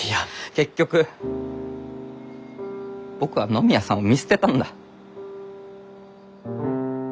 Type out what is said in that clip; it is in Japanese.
結局僕は野宮さんを見捨てたんだ。